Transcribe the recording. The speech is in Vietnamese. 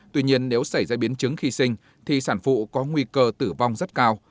tuy nhiên nếu xảy ra biến chứng khi sinh thì sản phụ có nguy cơ tử vong rất cao